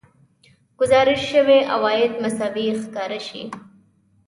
ګزارش شوي عواید مساوي ښکاره شي